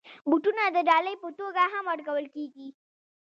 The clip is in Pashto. بوټونه د ډالۍ په توګه هم ورکول کېږي.